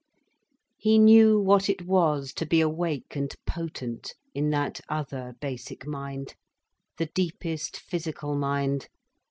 He knew what it was to be awake and potent in that other basic mind, the deepest physical mind.